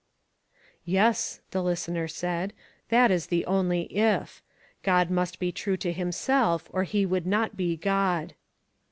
"Yes," the listener said, "that is the only ' if.' God must be true to himself or he would not be God."